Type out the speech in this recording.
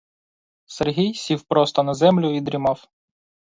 Сергій сів просто на землю й дрімав.